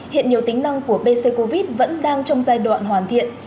hiện nhiều tính năng của pc covid vẫn đang trong giai đoạn hoàn thiện